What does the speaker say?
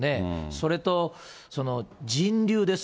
それと、人流です。